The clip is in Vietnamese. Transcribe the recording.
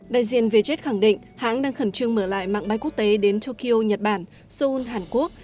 đại diện vietjet khẳng định hãng đang khẩn trương mở lại mạng bay quốc tế đến tokyo nhật bản seoul hàn quốc